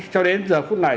cho đến giờ phút này